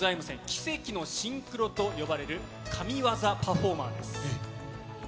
奇跡のシンクロと呼ばれる神業パフォーマーです。